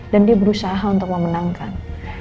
dan dia berusaha untuk memenangkan